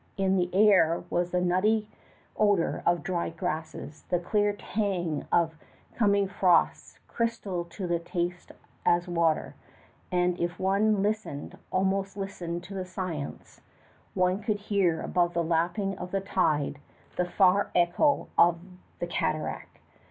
In the air was the nutty odor of dried grasses, the clear tang of coming frosts crystal to the taste as water; and if one listened, almost listened to the silence, one could hear above the lapping of the tide the far echo of the cataract.